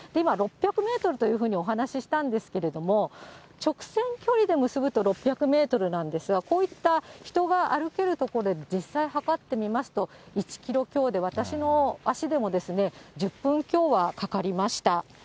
今、６００メートルというふうにお話したんですけれども、直線距離で結ぶと６００メートルなんですが、こういった人が歩ける所で実際測ってみますと、１キロ強で、私の足でも１０分強はかかりました。